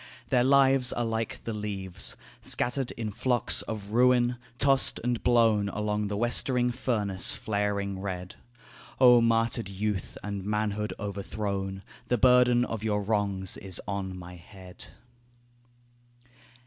Their lives are like the leaves Scattered in flocks of ruin, tossed and blown Along the westering furnace flaring red. O martyred youth and manhood overthrown, The burden of your wrongs is on my head.